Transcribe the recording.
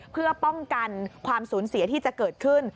เพื่อป้องกันความสูญเสียที่จะเกิดขึ้น